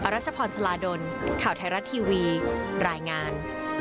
รัชพรสลาดลข่าวไทยรัฐทีวีรายงาน